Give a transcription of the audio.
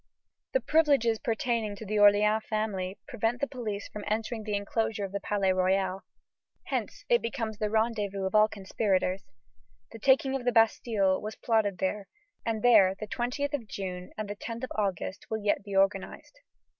The privileges pertaining to the Orleans family prevent the police from entering the enclosure of the Palais Royal. Hence it becomes the rendezvous of all conspirators. The taking of the Bastille was plotted there, and there the 20th of June and the 10th of August will yet be organized.